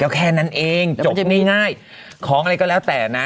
แล้วแค่นั้นเองจบง่ายของอะไรก็แล้วแต่นะ